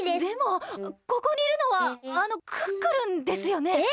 でもここにいるのはあのクックルンですよね？